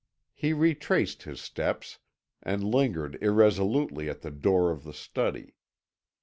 He retraced his steps, and lingered irresolutely at the door of the study.